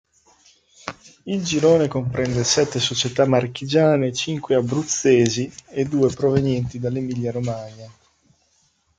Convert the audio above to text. Il girone comprende sette società marchigiane, cinque abruzzesi e due provenienti dall'Emilia-Romagna.